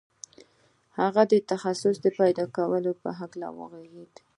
هغه د تخصص پیدا کولو په هکله وغږېد